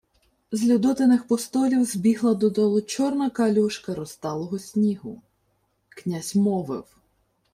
З Людотиних постолів збігла додолу чорна калюжка розталого снігу. Князь мовив: